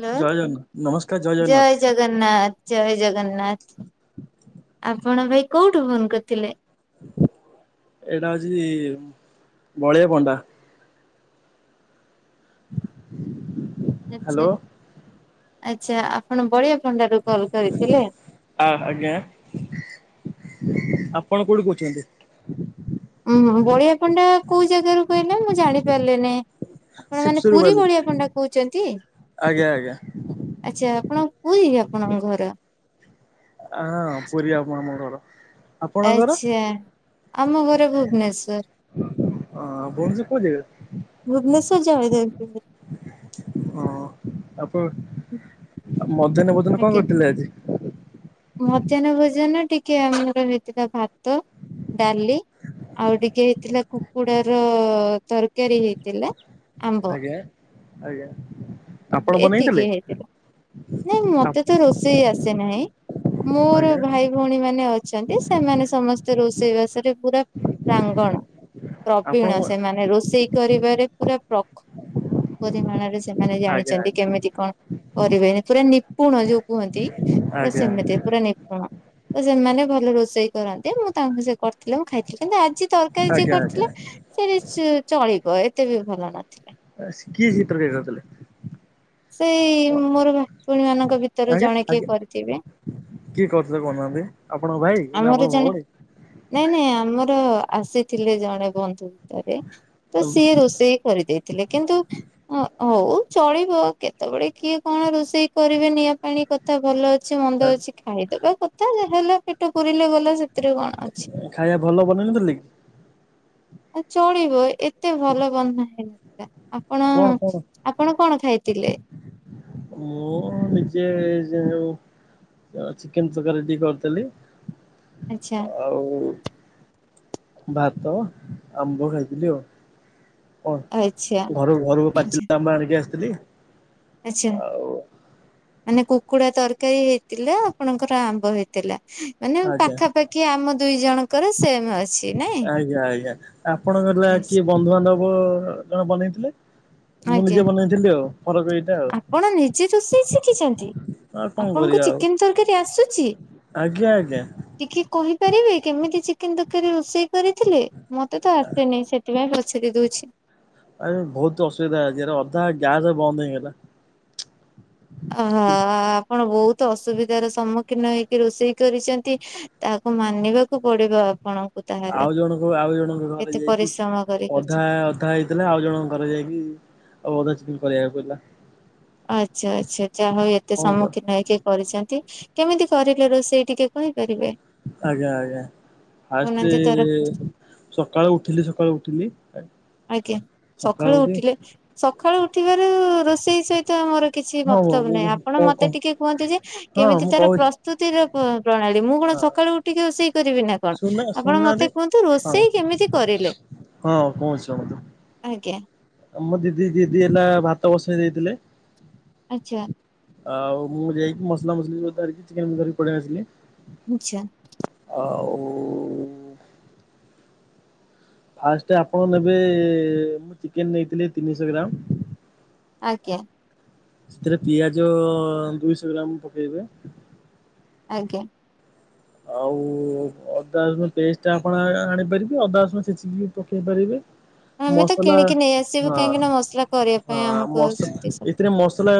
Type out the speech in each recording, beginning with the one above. Hello ଜୟ ଜଗନାଥ ଜୟ ଜଗନ୍ନାଥ ଜୟ ଜଗନ୍ନାଥ। ଆପଣ ଙ୍କୁ କୋଉଠୁ ଫୋନ କରିଥିଲେ? ଏଇଟା ହଉଛି ବଳିଆ ପଣ୍ଡା। [unintelligible] ଆଛା ହ୍ୟାଲୋ ଆଚ୍ଛା, ଆପଣ ବଳିଆ ପଣ୍ଡା ରୁ କଲ କରିଥିଲେ। ଆ ଆଜ୍ଞା ଆପଣ କୋଉଁଠି କହୁଛନ୍ତି? ଉ ବଳିଆ ପଣ୍ଡା କୋଉଁ ଜାଗାରୁ କହିଲେ ମୁଁ ଜାଣି ପାରିଲିନି। ଆପଣ ମାନେ ଶିବସୁର ପୁରୀ ବାଲି ଭଳିଆ ପଣ୍ଡା କହୁଛନ୍ତି। ଆଜ୍ଞା ଆଜ୍ଞା ଆଛା ଆପଣ ପୁରୀ ଆପଣଙ୍କ ଘର? ହଁ ପୁରୀ ଆମ ଘର। ଆପଣଙ୍କର ଆଛା, ଆମ ଘର ଭୁବନେଶ୍ଵର। ଅ ଭୁବନେଶ୍ୱର କୋଉ ଜାଗା ଭୁବନେଶ୍ୱର ଜୟଦେବ। ଓ ଆପଣ ମଧ୍ୟହ୍ନ ଭଜନ ଆଜ୍ଞା କଣ କରିୁଥିଲେ ଆଜି? ମଧ୍ୟାହ୍ନ ଭୋଜନ ଟିକେ ଆମର ହେଇଥିଲା ଭାତ, ଡାଲି ଆଉ ଟିକେ ହେଇଥିଲା କୁକୁଡାର ତରକାରୀ ହେଇଥିଲା। ଆମ୍ବ ଆଜ୍ଞା ଆଜ୍ଞା ଆପଣ ଏତିକି ବନେଇଥିଲେ? ହେଇଥିଲା ନାଇଁ ଆଜ୍ଞା ମତେ ତ ଆପଣ ରୋଷେଇ ଆସେ ନାହିଁ। ମୋର ଆଜ୍ଞା ଭାଇ ଭଉଣୀ ମାନେ ଅଛନ୍ତି। ସେମାନେ ସମସ୍ତେ ରୋଷେଇ ବାସରେ ପୁରା ପ୍ରାଙ୍ଗ କଣ ଆଜ୍ଞା ପ୍ରବୀଣ ସେମାନେ ରୋଷେଇ କରିବାରେ ପୁରା ପ୍ରଖ ପରିମାଣରେ ସେମାନେ ଆଜ୍ଞା ଜାଣିଛନ୍ତି କେମିତି କଣ? କରିବେନି ପୁରା ନିପୁଣ ଯୋଉଁ କୁହନ୍ତି ପୁରା ଆଜ୍ଞା ସେମିତି ପୁରା ନିପୁଣ। ତ ସେମାନେ ଭଲ ରୋଷେଇ କରନ୍ତି। ମୁଁ ତାଙ୍କୁ ସେ କରି ଥିଲେ ମୁ ଖାଇଥିଲି କିନ୍ତୁ ଆଜି ତରକାରୀ ଯିଏ ଆଜ୍ଞା ଆଜ୍ଞା। କରିଥିଲା ସେଟିକେ ଚଳିବ ଏତେ ବି ଭଲ ନଥିଲା। ସ କିଏ ସେ ତରକାରି କରିଥିଲା? ସେଇ ମୋର ଭାଇ ଭଉଣୀ ମାନଙ୍କ ଭିତରୁ ଆଜ୍ଞା ଜଣେ କିଏ ଆଜ୍ଞା କରିଥିବେ। କିଏ କରୁଥିଲେ କହୁନାହାନ୍ତି? ଆପଣଙ୍କ ଭାଇ ନା ଆମର ଆପଣଙ୍କ ଜଣେ ଭଉଣୀ? ନାଇଁ ନାଇଁ ଆମର ଆସିଥିଲେ ଜଣେ ବନ୍ଧୁ ଭିତରେ। ତ ଆଉ ସିଏ ରୋଷେଇ କରିଦେଇଥିଲେ। କିନ୍ତୁ ଅ ହଉ ଚଳିବ କେତେବେଳେ କିଏ କଣ ରୋଷେଇ କରିବ [unintelligible] କିଛି ମନ୍ଦ ଅଛି ଖାଇଦବା କଥା ଯାହା ହେଲା ପେଟ ପୁୁରିଲେ ଗଲା ସେ। ଖାଇବା ଭଲ ବନେଇ ନଥିଲେ କି? ଆଉ ଚଳିବ ଏତେ ଭଲ ବନା ହେଇନଥିଲା। ଆପଣ କଣ କଣ ଆପଣ କଣ ଖାଇଥିଲେ? ମୁଁ ନିଜେ ଯୋଉଁ। ଚିକେନ ତରକାରୀ ଟିକେ ଆଚ୍ଛା କରିଥିଲି। ଆଉ ଭାତ ଆମ୍ବ ଖାଇଥିଲି ଆଉ। କଣ ଆଚ୍ଛା ଘର ଘରକୁ ଆଚ୍ଛା ପାଚିଲା ଆମ୍ୱ ଆଣିକି ଆସିଥିଲି। ଆଚ୍ଛା ଆଉ ମାନେ କୁକୁଡା ତରକାରୀ ହେଇଥିଲା ଆପଣଙ୍କର ଆମ୍ବ ହେଇଥିଲା। ମାନେ ଆଜ୍ଞା ପାଖାପାଖି ଆମ ଦୁଇ ଜଣଙ୍କର ସେମ ଅଛି ନାଇଁ। ଆଜ୍ଞା ଆଜ୍ଞା ଆପଣଙ୍କ ହେଲା କିଏ ବନ୍ଧୁବାନ୍ଧବ ଜଣେ ବନେଇଥିଲେ ମୁଁ ଆଜ୍ଞା ନିଜେ ବନେଇଥିଲି ଆଉ। ଫରକ ଏଇଟା ଆଉ ଆପଣ ନିଜେ ରୋଷେଇ ଶିଖିଛନ୍ତି? ଆଉ କଣ ଆପଣଙ୍କୁ କରିବା ଆଉ ଚିକେନ ତରକାରୀ ଆସୁଛି? ଆଜ୍ଞା ଆଜ୍ଞା ଟିକେ କହିପାରିବେ? କେମିତି ଚିକେନ ତରକାରି ରୋଷେଇ କରିଥିଲେ? ମତେ ତ ଆସେନି ସେଥିପାଇଁ ପଛାରି ଦଉଛି। ଆରେ ବହୁତ ଅସୁବିଧା ଆଜି ଅଧା ଗ୍ୟାସ ବନ୍ଦ ହେଇଗଲା। ଓହଃ ଆପଣ ବହୁତ ଅସୁବିଧାର ସମ୍ମୁଖୀନ ହେଇକି ରୋଷେଇ କରିଛନ୍ତି, ତାହାକୁ ମାନିବାକୁ ପଡିବ ଆପଣ ଆଉ ଜଣଙ୍କୁ ଆଉ ଜଣଙ୍କୁ ନହେଲେ ଯାଇକି ପରିଶ୍ରମ କରି କରି ଅଧା ଅଧା ହେଇଥିଲା ଆଉ ଜଣକ ଘରେ ଯାଇକି ଆଉ ଅଧା ଚିକେନ କରିବାକୁ। [unintelligible] ଆଚ୍ଛା ଆଚ୍ଛା ଯାହା ହଉ ଏତେ କଣ କର ସମ୍ମୁଖୀନ ହେଇକି କରିଛନ୍ତି। କେମିତି କରିଲେ ରୋଷେଇ ଟିକେ କହିବେ। ଆଜ୍ଞା ଆଜ୍ଞା। ଫାଷ୍ଟ କହୁନାହାନ୍ତି ତାର ପ୍ରୋସେ ସକାଳୁ ଉଠିଲି ସକାଳୁ ଉଠିଲି। ଆଜ୍ଞା ସକାଳୁ ଉଠିଲେ ସକାଳୁ ଉଠିବାରୁ ରୋଷେଇ ସହିତ ଆମର କିଛି ହଁ ମତଲବ୍ ମୁଁ ନାହିଁ। ଆପଣ କଣ କହ ମତେ ଟିକେ କୁହନ୍ତି ଯେ ହଁ କେମିତି ମୁଁ ତାର କହୁଛି ପ୍ରସ୍ତୁତିର ପ୍ରଣାଳୀ ମୁଁ କଣ ହଁ ସକାଳୁ ଉଠିକି ରୋଷେଇ କରିବି ନା କଣ? ଶୁଣୁନା ଆପଣ ଶୁଣୁନାହାନ୍ତି। ମତେ କୁହନ୍ତୁ ହଁ ରୋଷେଇ କେମିତି କରିଲେ? ହଁ କହୁଛି ଶୁଣନ୍ତୁ। ଆଜ୍ଞା ଆମ ଦିଦି, ଦିଦି ହେଲା ଭାତ ବସେଇ ଦେଇଥିଲେ। ଆଚ୍ଛା। ଆଉ ମୁଁ ଯାଇକି ମସଲା ମସଲି ଧରିକି ଚିକେନ ଧରିକି ପଳେଇ ଆସିଲି। ଆଚ୍ଛା। [inaudible] ଫାଷ୍ଟ ଆପଣ ନେବେ ମୁଁ ଚିକେନ ନେଇଥିଲି ତିନିଶହ ଗ୍ରାମ ଆଜ୍ଞା। ସେଥିରେ ପିଆଜ ଦୁଇଶହ ଗ୍ରାମ ପକେଇବେ। ଆଜ୍ଞା। ଆଉ ଅଦା ରସୁଣ ପେଷ୍ଟ ଆପଣ ଆଣି ପାରିବେ ଆଉ ଅଦା ରସୁଣ ଛେଚିକି ବି ପକେଇ ପାରିବେ। [inaudible] ମସଲା କିଣିକି ନେଇ ଆସିବୁ ହଁ କାହିଁକି ନା ମସଲା କରିବା ହଁ ପାଇଁ ଆମକୁ ମସ ଆଜ୍ଞା ଏଥିରେ ମସଲା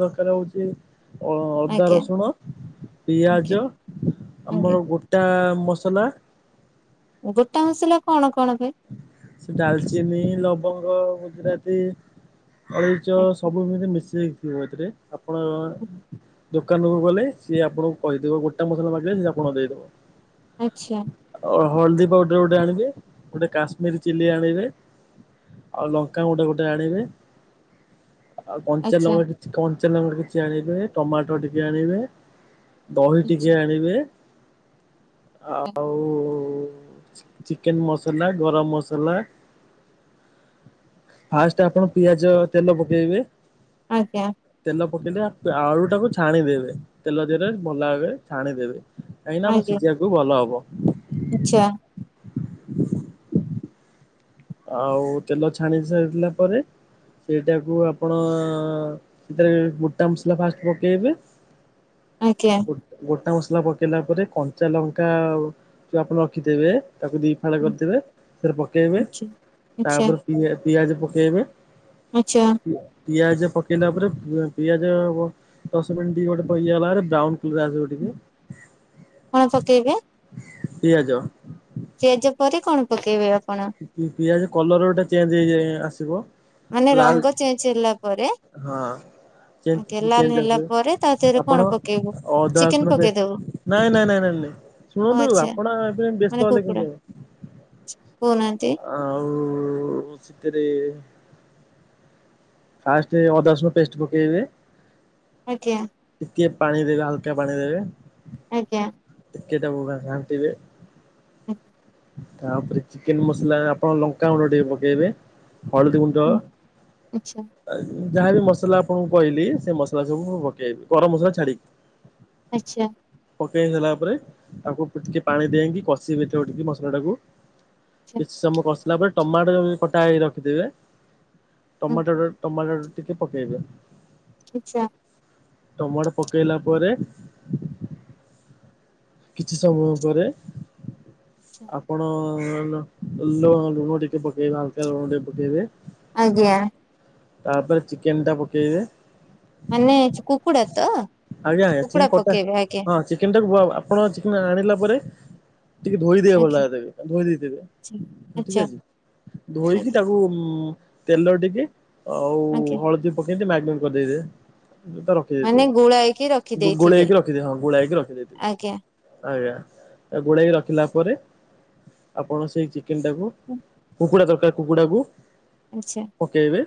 ଦରକାର ହଉଛି ଅଦା, ଆଜ୍ଞା ରସୁଣ, ପିଆଜ ଆଜ୍ଞା। ଆମର ଗୋଟା ମସଲା। ଗୋଟା ମସଲା କଣ କଣ? ସେ ଡାଲଚିନି, ଲବଙ୍ଗ, ଗୁଜୁରାତି ଅଳେଇଚ ପାଇଁ? ସବୁ ଏମିତି ମିଶେଇକି ଥିବ ଏଥିରେ ଆପଣ ଦୋକାନକୁ ଗଲେ ସିଏ ଆପଣଙ୍କୁ କହିଦବ ଗୋଟା ମସଲା ମାଗିଲେ ସିଏ ଆପଣଙ୍କୁ ଦେଇଦବ। ଆଚ୍ଛା। ଆଉ ହଳଦୀ ପାଉଡର ଗୋଟେ ଆଣିବେ ଗୋଟେ କାଶ୍ମୀରୀ ଚିଲି ଆଣିବେ। ଆଉ ଲଙ୍କା ଗୋଟେ ଗୋଟେ ଆଣିବେ। ଆଉ କଞ୍ଚା ଆଚ୍ଛା ଲଙ୍କା କିଛି କଞ୍ଚା ଲଙ୍କା କିଛି ଆଣିବେ, ଟମାଟୋ ଟିକେ ଆଣିବେ ଦହି ଟିକେ ଆଚ୍ଛା ଆଣିବେ। ଆଉ ଚିକେନ ମସ ମସଲା ଗରମ ମସଲା। ଫାଷ୍ଟ ଆପଣ ପିଆଜ ତେଲ ପକେଇବେ। ଆଜ୍ଞା। ତେଲ ପକେଇଲେ ଆଳୁ ଟାକୁ ଛାଣିଦେବେ। ତେଲ ଦେହରେ ଭଲ ଭରେ ଛାଣିଦେବେ। କାହିଁକି ନା ଆଜ୍ଞା ସିଝିବାକୁ ଭଲ ହବ। ଆଚ୍ଛା। ଆଉ ତେଲ ଛାଣି ସାରିଲା ପରେ ସେଇଟାକୁ ଆପଣ ସେଥିରେ ମୋଟା ମସଲା ଫାଷ୍ଟ ପକେଇବେ ଆଜ୍ଞା ଗୋଟ ଗୋଟା ମସ୍ ମସଲା ପକେଇଲା ପରେ କଞ୍ଚା ଲଙ୍କା ଯୋଉଁ ଆପଣ ରଖିଥିବେ ତାକୁ ଦି ଫାଳ କରିଦେବେ। ସେଥିରେ ପକେଇବେ। ଆଚ୍ଛା ଆଚ୍ଛା ତାପରେ ପି ପିଆଜ ପକେଇବେ ଆଚ୍ଛା। ପିଆଜ ପକେଇଲା ପରେ ପିଆଜ ଦଶ ମିନିଟ ଗୋଟେ ଇଏ ହେଲାପରେ ବ୍ରାଉନ [unintelligible] ଆସିବ ଟିକେ କଣ ପକେଇବେ? ପିଆଜ। ପିଆଜ ପରେ କଣ ପକେଇବେ ଆଉ। ପି ପିଆଜ କଲର ଗୋଟେ ଚେଞ୍ଜ ହେଇଯାଇ ଆସିବ। ମାନେ ଲାଲ ରଙ୍ଗ ଚେଞ୍ଜ ହେଲା ପରେ। ହଁ ଆଜ୍ଞା ଲାଲ ହେଲା ପରେ ତା [unintelligible] ଦେହରେ କଣ ଆପଣ ପକେଇବୁ? ଅଦା ଚିକେନ ରସୁଣ ପିଆ ପକେଇଦବୁ ନାଇଁଁ ନାଇଁ ନାଇଁ ନାଲି ଓ ଶୁଣନ୍ତୁ ଆଚ୍ଛା ଆପଣ ଏବେ ବ୍ୟସ୍ତ ହେଲେ କେମିତି ହେବ। କୋଉନାହା ଆଉ ଶେତିରେ ଫାଷ୍ଟ ଅଦା ରସୁଣ ପେଷ୍ଟ ପକେଇବେ। ଆଜ୍ଞା ଟିକେ ପାଣି ଦେବେ ହାଲକାହ ପାଣି ଦେବେ। ଆଜ୍ଞା। ଟିକେ ତାକୁ ଘା ଘାଣ୍ଟିବେ। ତାପରେ ଚିକେନ ମସଲା ଆପଣ ଲଙ୍କା ଗୁଣ୍ଡ ଟିକେ ପକେଇବେ। ହଳଦୀ ଗୁଣ୍ଡ ଆଚ୍ଛା ଆ ଯାହାବି ମସଲା ଆପଣଙ୍କୁ କହିଲି ସେ ମସଲା ସବୁ କୁ ପକେଇବେ ଗରମ ମସଲା ଛାଡିକି। ଆଚ୍ଛା। ପକେଇ ସାରିଲା ପରେ ତାକୁ ଟିକେ ପାଣି ଦେଇଁକି କଷି ଭିତରେ ଉଠିକି ମସଲା ଟାକୁ। ଆଚ୍ଛା କିଛି ସମୟ କସିଲା ପରେ ଟମାଟୋ କଟା ହେଇକି ରଖିଥିବେ। ଟମାଟୋ ଟମାଟୋ ଟିକେ ପକେଇବେ। ଆଚ୍ଛା। ଟମାଟୋ ପକେଇଲା ପରେ କିଛି ସମୟ ପରେ ଆପଣ ଲୁ ଲୁଣ ଟିକେ ପକେଇବେ ହାଲକା ଲୁଣ ଟିକେ ପକେଇବେ। ଆଜ୍ଞା। ତାପରେ ଚିକେନ ଟା ପକେଇବେ। ମାନେ କୁକୁଡା ତ ଆଜ୍ଞା ଆଜ୍ଞା ଚିନ କୁକୁଡା କଟା ପକେଇବେ ଆଜ୍ଞା। ହଁ ଚିକେନ ଟା କ ଆପଣ ଚିକେନ୍ ଆଣିଲା ପରେ ଟିକେ ଧୋଇଦବେ ଭଲ ଆଜ୍ଞା ଭାବରେ ତାକୁ ଧୋଇ ଦେଇଥିବେ ଆଚ୍ଛା ଠିକ ଆଚ୍ଛା ଅଛି। ଧୋଇକି ଆଜ୍ଞା ତାକୁ ତେଲ ଟିକେ ଆଉ ଆଜ୍ଞା ହଳଦୀ ପକେଇ ମ୍ୟାଗନେଟ କରି ଦେଇଦେବେ। ଟ ରଖି ମାନେ ଦେଇଥିବେ। ଗୁଳାଇକି ଗୋ ରଖିଦେଇଥିବେ ଗୋଳେଇକି ରଖିଦେବେ ହଁ ଗୋଳାଇକି ରଖିଦେଇଥିବେ ଆଜ୍ଞା ଆଜ୍ଞା। ଆଉ ଗୋଳେଇକି ରଖିଲା ପରେ। ଆପଣ ସେଇ ଚିକେନ ଟାକୁ ହୁଁ, କୁକୁଡା ତର କୁକୁଡାକୁ ଆଚ୍ଛା ପକେଇବେ।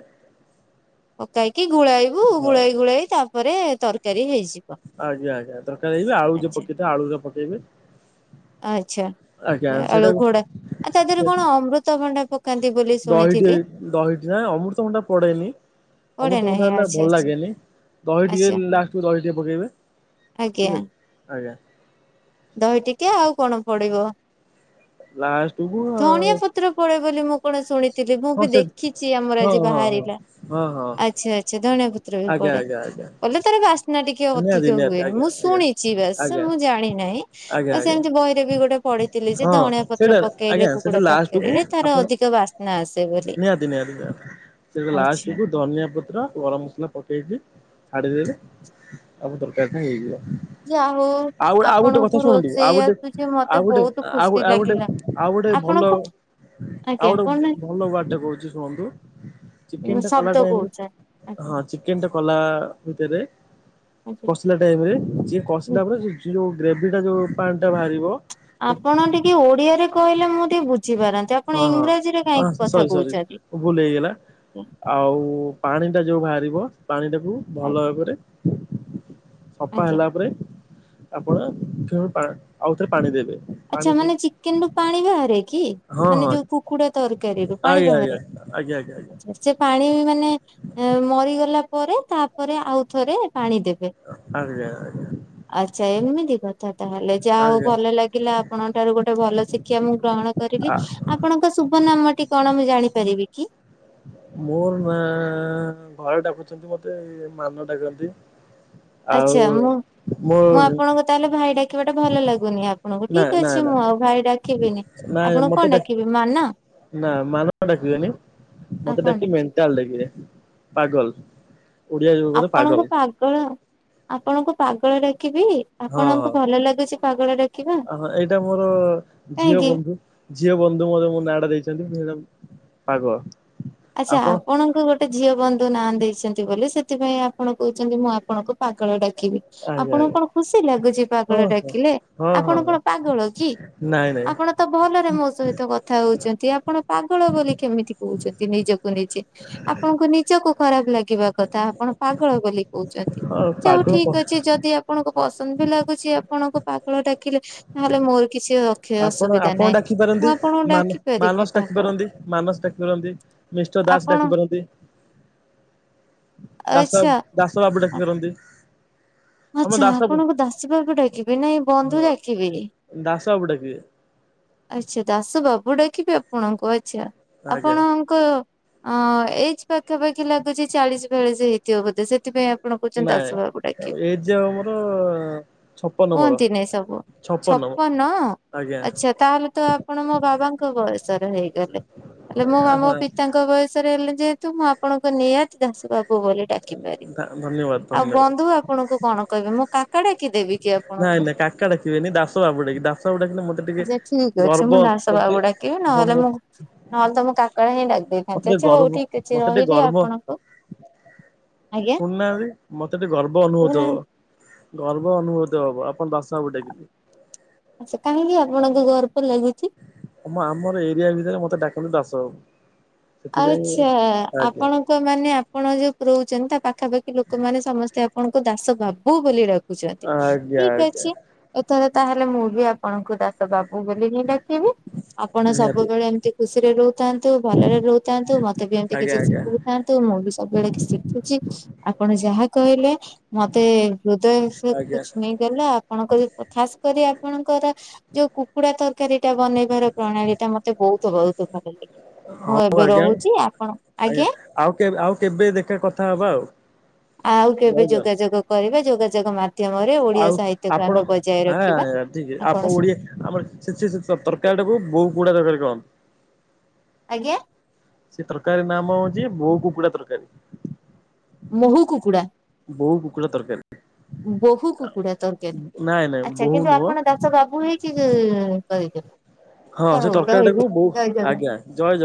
ପକାଇକି ଗୋଳାଇବୁ ହଁ ଗୋଳାଇ ଗୋଳାଇ ତାପରେ ତରକାରୀ ହେଇଯିବ। ଆଜ୍ଞା ଆଜ୍ଞା ତରକାର ହେଇକି ଆଳୁ ଯେ ଆଚ୍ଛା ପକେଇଥିବେ ଆଳୁରା ପକେଇବେ। ଆଚ୍ଛା ଆଜ୍ଞା ଆଳୁ ଘୋଡା ସେଇଟାକୁ ଆଉ ତା ଦେହରେ ସେ କଣ ଅମୃତଭଣ୍ଡା ପକାନ୍ତି ବୋଲି ଦହିଟି ଶୁଣିଥିଲି ଦହିଟି ନାଇଁ ଅମୃତ ଭଣ୍ଡା ପଡେନି। ପଡେ ଅମୃତ ଭଣ୍ଡା ନାହିଁ ଟା ହେଲେ ଆଚ୍ଛା ଭଲ ଆଚ୍ଛା ଲାଗେନି। ଦହି ଟିକେ ଆଚ୍ଛା ଲାଷ୍ଟକୁ ଦହି ଟିକେ ପକେଇବେ। ଆଜ୍ଞା ଠିକ ଅଛି ଆଜ୍ଞା। ଦହି ଟିକେ ଆଉ କଣ ପଡିବ। ଲାଷ୍ଟକୁ ଧଣିଆ ପତ୍ର ପଡେ ବୋଲି ମୁଁ କଣ ଶୁଣିଥିଲି ମୁଁ ବି ହଁ ସେ ଦେଖିଚି ଆମର ହଁ ଆଜି ହଁ ହଁ ବାହାରିଲା। ହଁ ହଁ ଆଚ୍ଛା ଆଚ୍ଛା ଧଣିଆ ପତ୍ର ବି ଆଜ୍ଞା ପଡେ। ଆଜ୍ଞା ଆଜ୍ଞା କଲେ ତାର ବାସ ନା ଟିକେ ନିହାତି ଅଧିକ ନିହାତି ହୁଏ। ଆଜ୍ଞା ମୁଁ ଆଜ୍ଞା। ଶୁଣିଛି ବାସ ଆଜ୍ଞା ମୁଁ ଜାଣି ନାହିଁ। ଆଜ୍ଞା ବାସ ଆଜ୍ଞା ଏମିତି ବହିରେ ବି ଗୋଟେ ପଢିଥିଲି ଯେ ହଁ ଧଣିଆ ପତ୍ର ସେଇଟା ପ ଆଜ୍ଞା ସେଟା ଲାଷ୍ଟ କୁ ଆପଣ ବାସ୍ନା ଆସେ ବୋଲି। ନିହାତି ନିହାତି ନିହାତି ସେ ଲାଷ୍ଟ ଆଚ୍ଛା। କୁ ଧନିଆ ପତ୍ର ଗରମ ମସଲା ପକେଇକି ଛାଡିଦଲେ ଆମ ତରକାରି ଟା ହେଇଯିବ। ଯା ହଉ ଆଉ ଗୋଟେ ଆଉ ଗୋଟେ ଆପଣଙ୍କୁ କଥା ଶୁଣନ୍ତୁ। ରୋଷେଇ ଆଉ ଗୋଟେ ଆସୁଛି ମତେ ଆଉ ଗୋଟେ ବହୁତ ଆଉ ଖୁସି ଆଉ ଗୋଟେ ଲାଗିଲା। ଆ ଆଉ ଗୋଟେ ଭଲ ଆପଣଙ୍କୁ ଆଜ୍ଞା ଆଉ କଣ ଗୋଟେ ଭଲ ୱାର୍ଟ ଟେ କହୁଚି ଶୁଣନ୍ତୁ। ଚିକେନ ଟା କଲା ଶବ୍ଦ ଟାଇମ ରେ କହୁଛ ଆଜ୍ଞା। ହଁ ଚିକେନ ଟା କଲା ଭିତରେ କଷିଲା ଟାଇମ ରେ ଯିଏ କସିଲା ପରେ ଯୋଉ ଗ୍ରେଭିଟା ଯେଉଁ ପାଣିଟା ବାହାରିବ ଆପଣ ଟିକେ ଓଡିଆରେ କହିଲେ ମୁଁ ଟିକେ ବୁଝିପାରନ୍ତି। ଆପଣ ହଁ ହଁ ଇଂରାଜୀରେ ହଁ କାହିଁକି କଥା ସରି ସରି କହୁଚନ୍ତି। ଭୁଲ ହେଇଗଲା। ଆଉ ପାଣି ଟା ଯୋଉ ବାହାରିବ ପାଣି ଟାକୁ ଭଲ ଭାବରେ ସଫା ଆଜ୍ଞା। ହେଲା ପରେ ଆପଣ ଆଉ ଥରେ ପାଣି ଦେବେ ଆଛା ପାଣି ଦେଇ ମାନେ ଚିକେନ ରୁ ପାଣି ବାହାରେ କି? ହଁ ମାନେ ହଁ ଯୋଉ କୁକୁଡା ତରକାରୀରୁୁ ପାଣି ଆଜ୍ଞା ବାହାରେ ଆଜ୍ଞା ଆଜ୍ଞା ଆଜ୍ଞା ଆଛା ସେ ପାଣି ମାନେ ମରିଗଲା ପରେ ତାପରେ ଆଉଥରେ ପାଣି ଦେବେ ଆଜ୍ଞା ଆଜ୍ଞା ଆଛା ଏମିତି କଥା ତାହେଲେ ଯାହା ହୋଉ ଆଜ୍ଞା ଭଲ ଲାଗିଲା ଆପଣଙ୍କ ଠାରୁ ଗୋଟେ ଭଲ ଶିକ୍ଷା ମୁଁ ଗ୍ରହଣ କରିଲି ଆ ଆପଣଙ୍କ ଶୁଭ ନାମଟି କଣ ମୁଁ ଜାଣିପାରିବି କି? ମୋର ନା ଘରେ ଡାକୁଛନ୍ତି ମତେ ମାନୁ ଡାକନ୍ତି। ଆଉ ଆଛା ମୁଁ ମୋ ମୁଁ ଆପଣଙ୍କୁ ତାହେଲେ ଭାଇ ଡାକିବା ଟା ଭଲ ଲାଗୁନି ଆପଣଙ୍କୁ ନା ଠିକ ନା ଅଛି। ନା ମୁଁ ଆଉ ଭାଇ ଡାକିବିନି। ନାଇଁ ଆପଣ ମତେ କଣ ଡା ଡାକିବେ ମାନ ନା ମାନ ଡାକିବେନି ଆଉ ମତେ କଣ ଡାକି ଡାକିବି ମେଣ୍ଟାଲ ଡାକିବେ ପାଗଲ ଓଡିଆ ଯୋଉ କହନ୍ତି ପାଗଲ। ଆପଣଙ୍କୁ ପାଗଳ ଆପଣଙ୍କୁ ପାଗଳ ଡାକିବି ଆପଣଙ୍କୁ ଭଲ ଲାଗୁଚି ଅ ହଁ ଏଇଟା ମୋର ଝିଅ କାହିଁକି? ବନ୍ଧୁ ଝିଅ ବନ୍ଧୁ ମୋର ମୋ ନା ଟା ଦେଇଚନ୍ତି। ପାଗଲ। ଆଛା ଆପଣଙ୍କ ଗୋଟେ ଝିଅ ବନ୍ଧୁ ନା ଦେଇ ଚନ୍ତି ବୋଲି ସେଥିପାଇଁ ଆପଣ କହୁଛନ୍ତି ମୁଁ ଆପଣଙ୍କୁ ପାଗଳ ଡାକ କିବି ଆଜ୍ଞା ଆପଣଙ୍କୁ ଆଜ୍ଞା କଣ ଖୁସି ଲାଗୁଚି ହଁ ପାଗଳ ହଁ ଡାକିଲେ ହଁ ଆପଣ ହଁ ହଁ କଣ ପାଗଳ କି? ନାଇଁ ନାଇଁ ଆପଣ ତ ଭଲରେ ମୋ ସହିତ କଥା ହୋଉଚନ୍ତି ଆପଣ ପାଗଳ ବୋଲି କେମିତି କୋହୁଚନ୍ତି। କୁ ନିଜେ ଆପଣଙ୍କୁ ନିଜକୁ ଖରାପ ଲାଗିବା କଥା ଆପଣ ପାଗଳ ବୋଲି କୋହୁଚନ୍ତି। ହଁ ଛା ହୋଉ ପାଗଳ କ ଠିକ ଅଛି। ଯଦି ଆପଣଙ୍କୁ ପସନ୍ଦ ବି ଲାଗୁଛି ଆପଣଙ୍କୁ ପାଗଳ ଡାକିଲେ ତାହେଲେ ମୋର କିଛି ଅଖି ଆପଣ ଅସୁବିଧା ଆପଣ ନାହିଁ। ଡାକି ମୁଁ ପାରନ୍ତି ଆପଣଙ୍କୁ ମାନ ଡାକି ପାରିବି ମାନସ ପାଗଳ ପାରନ୍ତି ମାନସ ଡାକି ପାରନ୍ତି। ମିଷ୍ଟର ଦାସ ଆପଣ ଡାକି ପାରନ୍ତି। ଦାସ ବା ଆଚ୍ଛା। ଦାସ ବାବୁ ଡାକି ପାରନ୍ତି। ଆମ ଆଛା ଦାସ ହଁ ଆପଣଙ୍କୁ ଦାସ ବାବୁ ଡାକିବି ନାଇଁ ବନ୍ଧୁ ଡାକିବିନି ସବୁ ଡାକିବେ ଆଛା ଦାସ ବାବୁ ଡାକିବି ଆପଣଙ୍କୁ ଆଛା ଆଜ୍ଞା ଆପଣଙ୍କ ଅଁ ଏଜ ପାଖାପାଖି ଲାଗୁଚ ଚାଳିଶ ବେଳିଶ ହେଇଥିବ ବୋଧେ ସେଥିପାଇଁ ଆପଣ କୋହୁଛନ୍ତି ନାଇଁ ଦାଶବାବୁ ଡାକିବେ ଏଜ ଆଉ ମୋର ଛପନ ମୋର କୁହନ୍ତି ନା ଏ ସବୁ ଛପନ ଆଜ୍ଞା ଆଛା ତାହେଲେ ତ ଆପଣ ମୋ ବାବାଙ୍କ ବୟସର ହେଇଗଲେ। ହେଲେ ମୁଁ ମାମୋ ହଁ। ପିତାଙ୍କ ବୟସରେ ହେଲେ ଯେହେତୁ ମୁଁ ଆପଣଙ୍କ ନିହାତି ଦାସ ବାବୁ ବୋଲି ଡାକି ପାରିବି। ଧନ୍ୟବାଦ ଆଉ ଧନ୍ୟବାଦ ବନ୍ଧୁ ଆପଣଙ୍କୁ କଣ କହିବି ମୁଁ କାକା ଡାକିଦେବି କି ନାଇଁ ଆପଣଙ୍କୁ? ନାଇଁ କାକା ଡାକିବେନି ଦାସ ବାବୁ ଡାକିଲେ ଦାସବାବୁ ଡାକିଲେ ମତେ ଟିକେ ଆଛା ଠିକ ଅଛି ଗର୍ବ ମୁଁ ଦାସ ମତେ ବାବୁ ଢାକିଵୀ ନହେଲେ ମୁଁ ନହେଲେ ତ ମୁଁ କାକା ହିଁ ଡାକି ଦେଇଥାନ୍ତି ଟିକେ ଆଛା ହୋଉ। ହୋଉ ଗର୍ବ ଠିକ ଅଛି ରହିଲି ଆପଣଙ୍କୁ ଆଜ୍ଞା ଶୁଣନାହାନ୍ତି ମତେ ଟିକେ ଗର୍ବ ଅନୁଭୂତ କହୁନାହାନ୍ତି ହବ। ଗର୍ବ ଅନୁଭୂତ ହବ ଆପଣ ଦାଶବାବୁ ଡାକିଲେ। ଆଚ୍ଛା କାହିଁକି ଆପଣଙ୍କୁ ଗର୍ବ ଲାଗୁଛି? ଆ ଆମର ଏରିଆ ଭିତରେ ମତେ ଡ଼ା ଦାସ ବାବୁ। ସେଥିପାଇଁ ଆଛା ଆଜ୍ଞା ଆପଣଙ୍କ ମାନେ ଆପଣ ଯୋଉ ରୋହୁଚନ୍ତି ତା ପାଖାପାଖି ଲୋକମାନେ ସମସ୍ତେ ଆପଣଙ୍କୁ ଦାସ ବାବୁ ବୋଲି ଡ଼ାକୁ ଡାକୁଚିନ୍ତି ଆଜ୍ଞା ଠିକ ଆଜ୍ଞା ଅଛି ଏଥର ତାହେଲେ ମୁଁ ବି ଆପଣଙ୍କୁ ଦାଶ ତ ବାବୁ ବୋଲି ହିଁ ଡାକିବି ଆପଣ ନିହାତି ସବୁବେଳେ ଏମିତି ଖୁସିରେ ରହୁଥାନ୍ତୁ ଭଲରେ ରୋହୁ ଥାଆନ୍ତୁ ମତେ ବି ଏମିତି ଆଜ୍ଞା କିଛି ଆଜ୍ଞା ଶିଖଥାନ୍ତୁ। ମୁଁ ବି ସବୁବେଳେ କିଛି ଶିଖୁଚି ଆପଣ ଯାହା କହିଲେ ମତେ ହୃଦୟ ସବକୁ ଆଜ୍ଞା ଛୁଇେଇ ଦେଲା ଆପଣଙ୍କ ଖାସ କରି ଆପଣଙ୍କର ଯୋଉ କୁକୁଡା ତ ତରକାରୀଟା ବନେଇବାର ପ୍ରଣାଳୀ ଟା ମତେ ବହୁତ ବହୁତ ଭଲ ଲାଗେ ମୁଁ ଏତେ ହଉ ଆଜ୍ଞା ଆଜ୍ଞା ଆଉ କେ- ଆଉ କେବେ ଦେଖା କଥା ହବା ଆଉ। ଆଉ ଜୟ କେବେ ଜଗନ୍ନାଥ ଯୋଗାଯୋଗ କରିବେ ଯୋଗାଯୋଗ ମା ଆଉ ଆପଣଁ ରଖିବା। ଆପଣ ଓଡିଏ ଆମର ତରକାରୀ ଟାକୁ। ବହୁଉ କୁକୁଡ଼ା ଦଖ କଣ ଆଜ୍ଞା? ସେ ତରକାରୀ ନାମ ହଉଛି ବୋଉ କୁକୁଡ଼ା ତରକାରୀ। ମହୁ କୁକୁଡ଼ା ବୋଉ କୁକୁଡା ତରକାରୀ। ବହୁ କୁକୁଡ଼ା ତରକାରୀ। ନାଇଁ ନାଇଁ ଆଚ୍ଛା ବୋହୁ କିନ୍ତୁ ନୁହଁ ଆପଣ ଦାସ ବାବୁ ହେଇକି କହିଲେ। ହଁ ସେ ତରକାରୀ ଟାକୁ ବହୁ ଜଗନ୍ନାଥ। ଆଜ୍ଞା ଜୟ ଜଗନା